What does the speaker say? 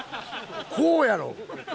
こうやろ！